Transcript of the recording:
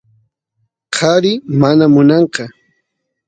kari mana munanqa